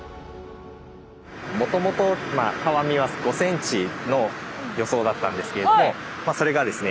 もともとたわみは５ｃｍの予想だったんですけれどもそれがですね